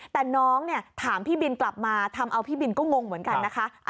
แต่น้องเนี่ยถามพี่บินกลับมาทำเอาพี่บินก็งงเหมือนกันนะคะ